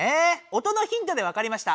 音のヒントでわかりました。